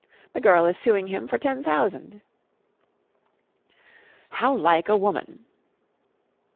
The girl is suing him for ten thousand." "How like a woman!"